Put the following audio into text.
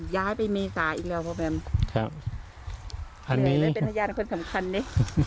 ย้ายไปเมษาอีกแล้วครับครับอันนี้เป็นทะยานคนสำคัญเนี้ย